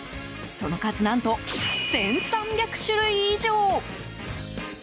その数何と１３００種類以上。